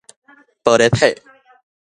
玻璃體